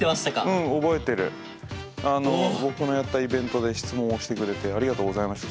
僕のやったイベントで質問をしてくれてありがとうございました